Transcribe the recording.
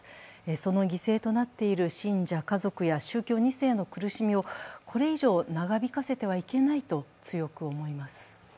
その犠牲となっている信者家族や宗教２世の苦しみを宗教２世の苦しみをこれ以上長引かせては行けないと強く思います。